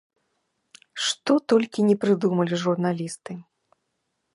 Што толькі ні прыдумалі журналісты.